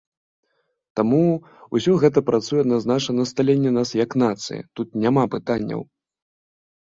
Таму, усё гэта працуе адназначна на сталенне нас як нацыі, тут няма пытанняў.